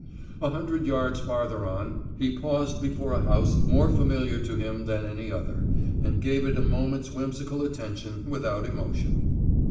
A hundred yards farther on, he paused before a house more familiar to him than any other, and gave it a moment's whimsical attention, without emotion.